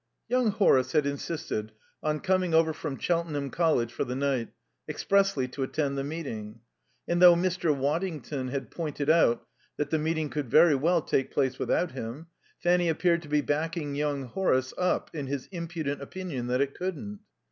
Young Horace had insisted on coming over from Cheltenham College for the night, expressly to attend the meeting. And though Mr. Waddington had pointed out that the meeting could very well take place without him, Fanny appeared to be backing young Horace up in his impudent opinion that it couldn't.